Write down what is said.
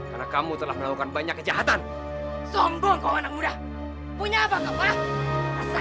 karena kamu telah melakukan banyak hal yang tidak berhasil